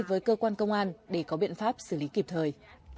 với cơ quan công an để có biện pháp xử lý kịp thời